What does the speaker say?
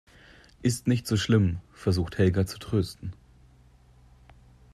Ist nicht so schlimm, versucht Helga zu trösten.